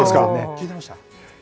聞いてました。